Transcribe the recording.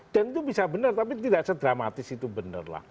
dan itu bisa benar tapi tidak sedramatis itu bener lah